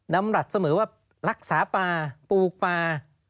ดำรัฐเสมอว่ารักษาป่าปลูกป่า